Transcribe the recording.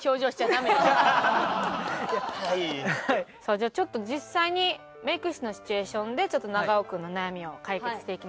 じゃあちょっと実際にメイク室のシチュエーションでちょっと長尾君の悩みを解決していきましょう。